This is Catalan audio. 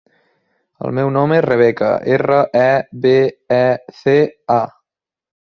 El meu nom és Rebeca: erra, e, be, e, ce, a.